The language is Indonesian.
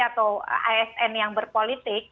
atau asn yang berpolitik